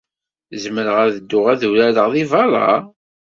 Zemreɣ ad dduɣ ad urareɣ deg beṛṛa?